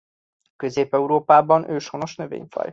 Közép-Európában őshonos növényfaj.